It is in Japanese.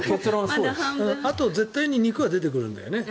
あと、絶対肉は出てくるんだよね。